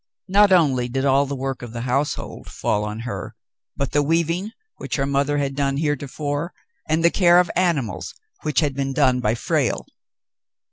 Not only did all the work of the household fall on her, but the weaving, which her mother had done heretofore, and the care of the animals, which had been done by Frale.